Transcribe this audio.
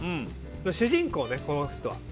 主人公ね、この人は。